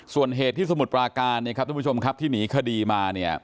ส่วนเหตุที่สมุดปราการที่หนีคดีมา